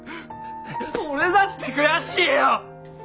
俺だって悔しいよ！